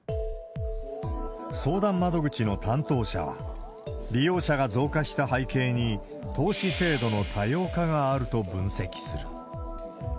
相談窓口の担当者は、利用者が増加した背景に、投資制度の多様化があると分析する。